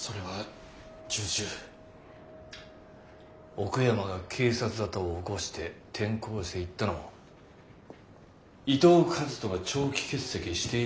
奥山が警察沙汰を起こして転校していったのも伊藤和斗が長期欠席していたのも。